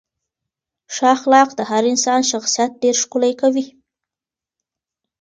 ښه اخلاق د هر انسان شخصیت ډېر ښکلی کوي.